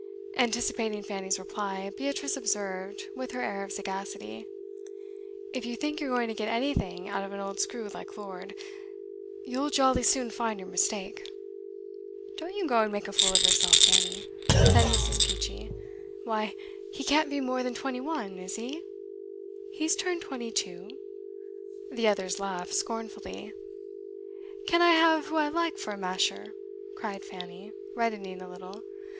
Anticipating Fanny's reply, Beatrice observed, with her air of sagacity: 'If you think you're going to get anything out of an old screw like Lord, you'll jolly soon find your mistake.' 'Don't you go and make a fool of yourself, Fanny,' said Mrs. Peachey. 'Why, he can't be more than twenty one, is he?' 'He's turned twenty two.' The others laughed scornfully. 'Can't I have who I like for a masher?' cried Fanny, reddening a little.